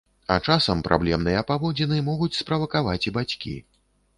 А часам праблемныя паводзіны могуць справакаваць і бацькі.